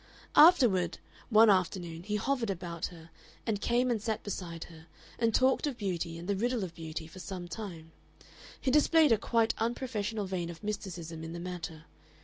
Afterward, one afternoon, he hovered about her, and came and sat beside her and talked of beauty and the riddle of beauty for some time. He displayed a quite unprofessional vein of mysticism in the matter.